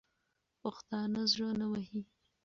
پښتانه زړه نه وهي.